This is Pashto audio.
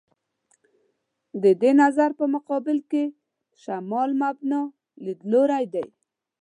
د دې نظر په مقابل کې «شمال مبنا» لیدلوری دی.